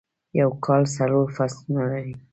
یو کال څلور فصلونه لري.